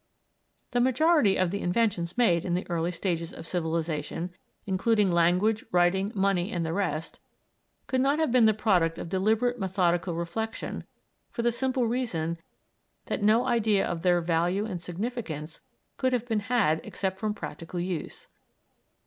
The majority of the inventions made in the early stages of civilisation, including language, writing, money, and the rest, could not have been the product of deliberate methodical reflexion for the simple reason that no idea of their value and significance could have been had except from practical use.